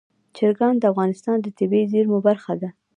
چرګان د افغانستان د طبیعي زیرمو برخه ده.